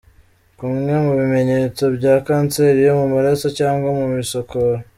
Kumwe mu bimenyetso bya kanseri yo mu maraso cg mu misokoro.